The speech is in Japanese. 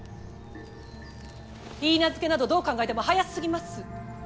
許婚などどう考えても早すぎます！